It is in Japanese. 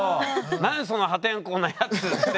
何その破天荒なやつって。